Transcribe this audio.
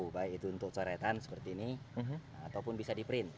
baik itu untuk coretan seperti ini ataupun bisa di print